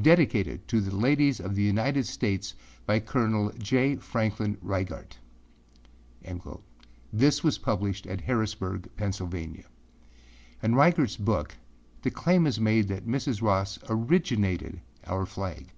Dedicated to the Ladies of the United States by Col. J. Franklin Reigart.â This was published at Harrisburg, Pennsylvania. In Reigartâs book, the claim is made that Mrs. Ross âoriginatedâ our flag.